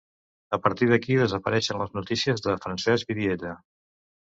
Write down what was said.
A partir d'aquí desapareixen les notícies de Francesc Vidiella.